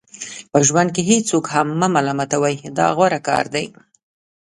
په ژوند کې هیڅوک هم مه ملامتوئ دا غوره کار دی.